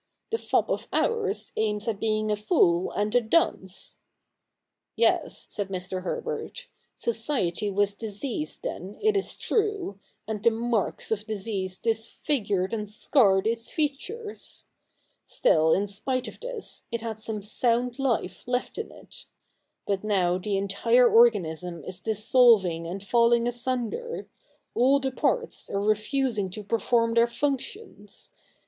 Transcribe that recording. The fop of ours aims at being a fool and a dunce.' ' Yes,' said Mr. Herbert, ' society was diseased then, it is true, and the marks of disease disfigured and scarred its features. Still, in spite of this, it had some sound life left in it. But now the entire organism is dissolving and falling asunder. All the parts are refusing to perform their functions.